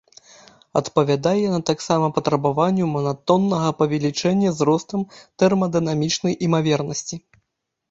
Адпавядае яна таксама патрабаванню манатоннага павелічэння з ростам тэрмадынамічнай імавернасці.